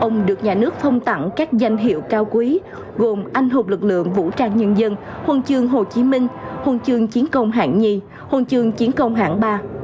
ông được nhà nước phong tặng các danh hiệu cao quý gồm anh hộp lực lượng vũ trang nhân dân hồn chương hồ chí minh hồn chương chiến công hạng hai hồn chương chiến công hạng ba